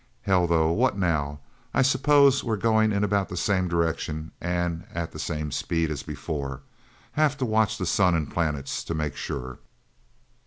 Hell, though what now? I suppose we're going in about the same direction and at the same speed as before? Have to watch the sun and planets to make sure.